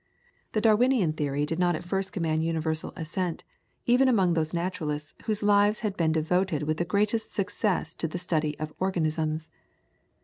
The Darwinian theory did not at first command universal assent even among those naturalists whose lives had been devoted with the greatest success to the study of organisms.